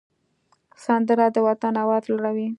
سندره د وطن آواز لوړوي